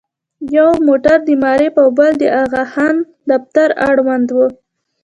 یو موټر د معارف او بل د اغاخان دفتر اړوند و.